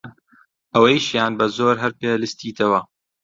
ئەوەیشیان بە زۆر هەر پێ لستیتەوە!